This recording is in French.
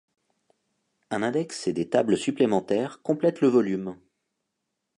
Un index et des tables supplémentaires complètent le volume.